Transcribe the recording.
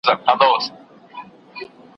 زه له سهاره د سبا لپاره د ژبي تمرين کوم!.